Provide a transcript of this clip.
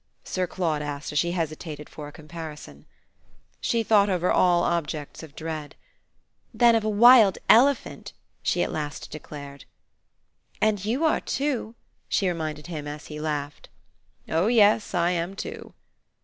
Sir Claude asked as she hesitated for a comparison. She thought over all objects of dread. "Than of a wild elephant!" she at last declared. "And you are too," she reminded him as he laughed. "Oh yes, I am too."